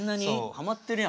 はまってるやん。